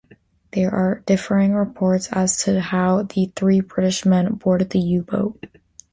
There are differing reports as to how the three British men boarded the U-boat.